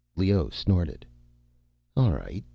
Leoh snorted. "All right.